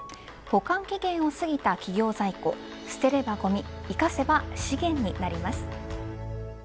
保管期限を過ぎた企業在庫捨てればごみ生かせば資源になります。